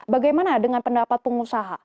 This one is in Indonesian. bagaimana dengan pendapat pengusaha